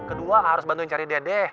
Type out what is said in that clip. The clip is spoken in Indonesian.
kedua harus bantuin cari dedek